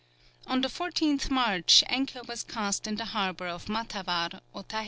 On the 14th March anchor was cast in the harbour of Matavar, Otaheite.